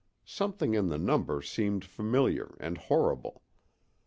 Something in the number seemed familiar and horrible.